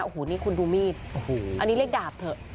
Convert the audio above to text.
อันนี้คุณดูมีดอันนี้เลขดาบเถอะ